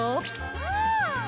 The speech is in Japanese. うん！